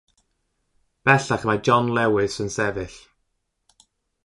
Bellach mae John Lewis yn sefyll.